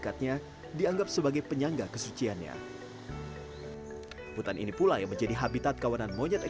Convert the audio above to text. sudah cukup menulen dua ribu sembilan belas undang undang dalam seluruh virtual nelayan anda harus mendekati